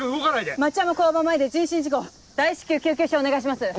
町山交番前で人身事故大至急救急車お願いします。